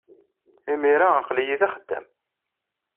Imir-a aql-iyi d axeddam.